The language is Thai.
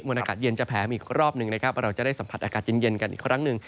อากาศเย็นจะแผลมาอีกรอบหนึ่งนะครับเราจะได้สัมผัสอากาศเย็นกันอีกครั้งหนึ่ง